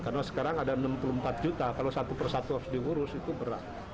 karena sekarang ada enam puluh empat juta kalau satu persatu harus diurus itu berat